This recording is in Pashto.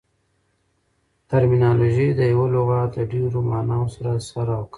ټرمینالوژي د یوه لغات د ډېرو ماناوو سره سر او کار لري.